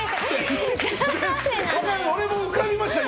俺も浮かびました、今。